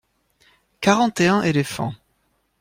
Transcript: Quarante et un éléphants.